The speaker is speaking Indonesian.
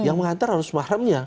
yang mengantar harus mahramnya